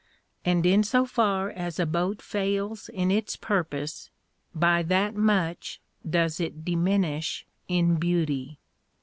And in so far as a boat fails in its purpose, by that much does it diminish in beauty.